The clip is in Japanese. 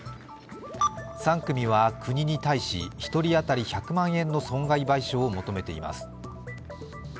３組は国に対し、１人当たり１００万円の損害賠償を求めています。